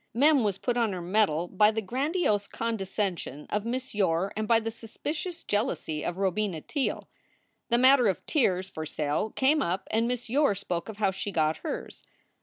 Mem was put on her mettle by the grandiose condescension of Miss Yore and by the suspicious jealousy of Robina Teele. The matter of tears for sale came up and Miss Yore spoke of how she got hers.